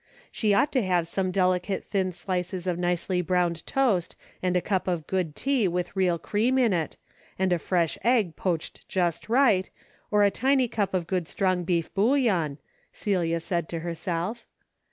She ought to have some delicate thin slices of nicely browned toast and a cup of good tea with real cream in it, and a fresh egg poached just right, or a tiny cup of good strong beef bullion, Celia said to herself.